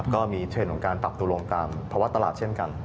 ก็มีเทรนด์ของการปรับตัวลงตามภาวะตลาดเช่นกัน